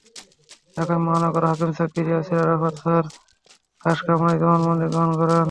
ঢাকার মহানগর হাকিম সাব্বির ইয়াছির আরাফাত তাঁর খাসকামরায় জবানবন্দি গ্রহণ করেন।